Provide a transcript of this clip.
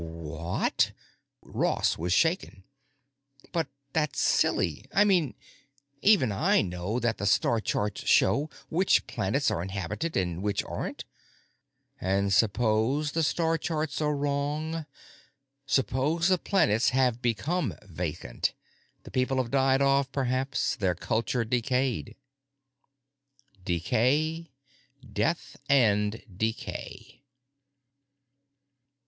"What?" Ross was shaken. "But that's silly! I mean, even I know that the star charts show which planets are inhabited and which aren't." "And suppose the star charts are wrong. Suppose the planets have become vacant. The people have died off, perhaps; their culture decayed." Decay. Death and decay.